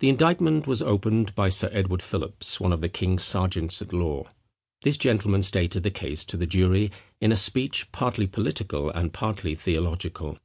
The indictment was opened by Sir Edward Philips, one of the king's sergeants at law. This gentleman stated the case to the jury in a speech partly political and partly theological.